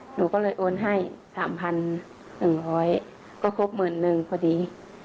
หนูก็เลยโอนให้๓๑๐๐ก็ครบหมื่นนึงพอดี